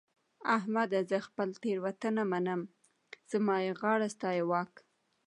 احمده! زه خپله تېرونته منم؛ زما يې غاړه ستا يې واښ.